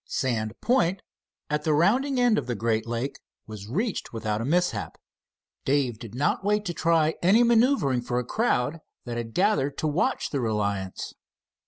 Sand Point, at the rounding end of the great lake, was reached without a mishap. Dave did not wait to try any maneuvering for a crowd that had gathered to watch the Reliance.